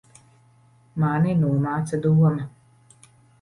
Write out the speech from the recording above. Mani nomāca doma.